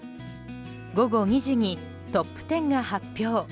午後２時にトップ１０が発表。